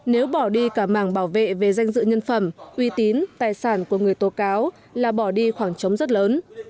nếu bỏ đi cả màng bảo vệ về danh dự nhân phẩm uy tín tài sản của người tố cáo là bỏ đi khoảng trống rất lớn